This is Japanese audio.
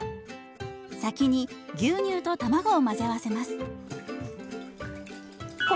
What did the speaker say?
先に牛乳と卵を混ぜ合わせます。